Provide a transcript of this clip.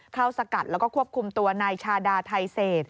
เข้าสกัดแล้วก็ควบคุมตัวในชาดาไทเซ